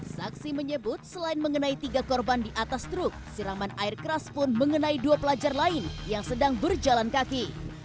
saksi menyebut selain mengenai tiga korban di atas truk siraman air keras pun mengenai dua pelajar lain yang sedang berjalan kaki